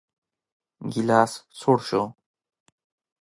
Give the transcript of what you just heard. ګيلاس سوړ شو.